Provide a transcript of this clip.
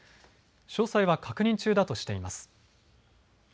詳細は確認中だとしています。